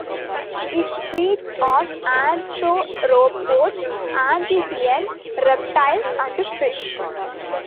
It feeds on arthropods, amphibians, reptiles and fish.